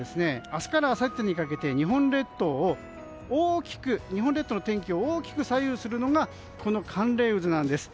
明日からあさってにかけて日本列島の天気を大きく左右するのが寒冷渦です。